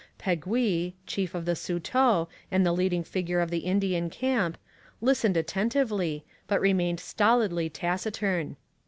Peguis, chief of the Saulteaux and the leading figure in the Indian camp, listened attentively, but remained stolidly taciturn.